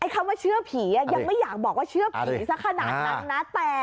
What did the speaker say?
คำว่าเชื่อผียังไม่อยากบอกว่าเชื่อผีสักขนาดนั้นนะ